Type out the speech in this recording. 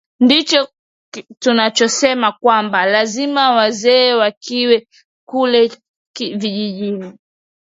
ndicho tunachosema kwamba lazima wazee wakiwa kule vijijini